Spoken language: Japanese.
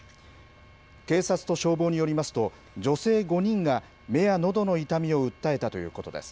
警察と消防によりますと、女性５人が目やのどの痛みを訴えたということです。